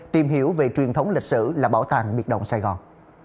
tìm hiểu về truyền thống lịch sử là bảo tàng việt nam